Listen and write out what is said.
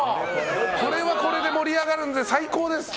これはこれで盛り上がるんで最高です。